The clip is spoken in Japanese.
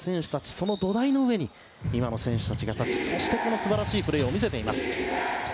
その土台の上に今の選手たちが立ちそしてこのプレーを見せてくれています。